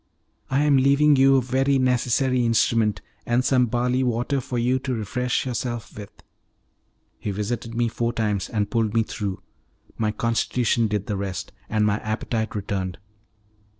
"I am leaving you a very necessary instrument, and some barley water for you to refresh yourself with." He visited me four times, and pulled me through; my constitution did the rest, and my appetite returned.